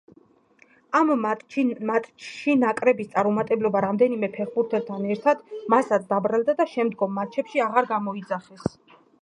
ამ მატჩში ნაკრების წარუმატებლობა რამდენიმე ფეხბურთელთან ერთად მასაც დაბრალდა და შემდგომ მატჩებში აღარ გამოიძახეს.